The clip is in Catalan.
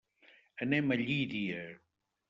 Anem a Llíria.